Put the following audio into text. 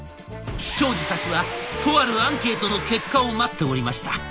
長司たちはとあるアンケートの結果を待っておりました。